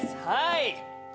はい。